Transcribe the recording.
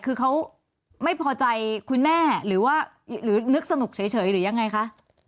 คือเขาไม่พอใจคุณแม่หรือว่าหรือนึกสนุกเฉยหรือยังไงคะ